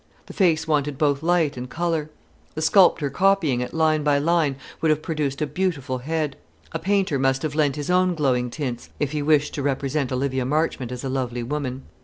The face wanted both light and colour. A sculptor copying it line by line would have produced a beautiful head. A painter must have lent his own glowing tints if he wished to represent Olivia Marchmont as a lovely woman.